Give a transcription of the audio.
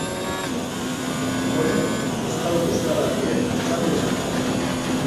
Ondoren, euskal boxeolarien txanda izango da.